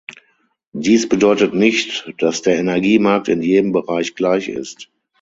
Dies bedeutet nicht, dass der Energiemarkt in jedem Bereich gleich ist.